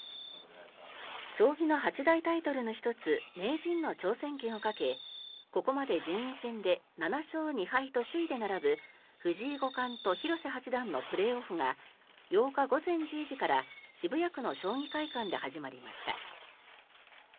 将棋の八大タイトルの１つ名人の挑戦権をかけここまで順位戦で７勝２敗と首位で並ぶ藤井五冠と広瀬八段のプレーオフが８日午前１０時から渋谷区の将棋会館で始まりました。